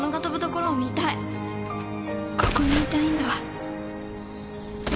ここにいたいんだ。